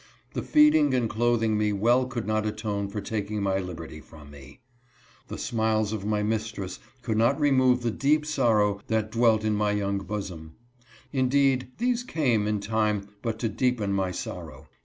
The feeding and clothing me well could not atone for taking my liberty from me. The HIS mistress' changed treatment. 107 smiles of my mistress could not remove the deep sorrow that dwelt in my young bosom. Indeed, these came, in time, but to deepen my sorrow.